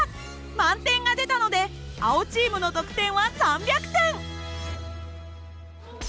満点が出たので青チームの得点は３００点。